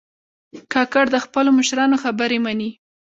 کاکړ د خپلو مشرانو خبرې منې.